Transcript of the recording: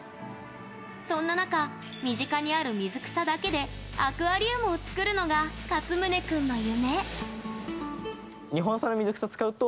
そんな中、身近にある水草だけでアクアリウムを作るのがかつむね君の夢。